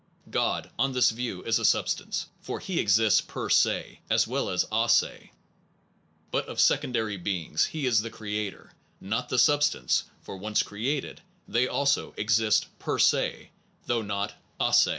God, on this view, is a substance, for he exists per se, as well as a se; but of secondary beings, he is the creator, not the substance, for once created, they also exist per se though not a se.